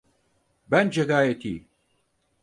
Bence gayet iyi.